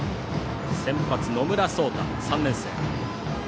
先発の野村颯太、３年生。